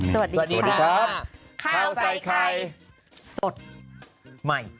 สวัสดีครับข้าวใส่ไข่สดใหม่